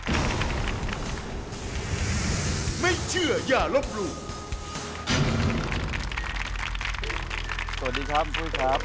สวัสดีครับของพุ้ยครับ